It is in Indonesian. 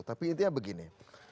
tapi intinya begini